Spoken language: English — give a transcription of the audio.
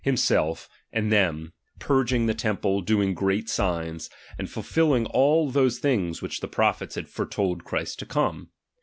himself and them ; purging the temple, doing great signs, and fulfilling all those things wMch the prophets had foretold of Christ to come.